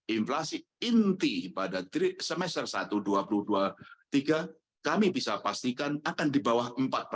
inflasi inti pada semester satu dua ribu dua puluh dua dua ribu dua puluh tiga kami bisa pastikan akan di bawah empat